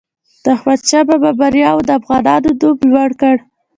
د احمدشاه بابا بریاوو د افغانانو نوم لوړ کړ.